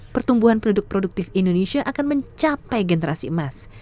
pertumbuhan produk produktif indonesia akan mencapai generasi emas